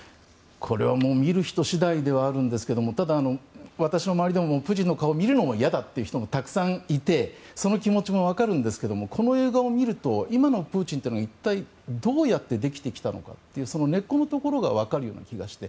これはもう見る人次第ではあるんですけどただ、私の周りでもプーチンの顔を嫌だという人もたくさんいてその気持ちも分かるんですけどもこの映画を見ると今のプーチンは一体どうやってできてきたのかという根っこのところが分かるような気がして。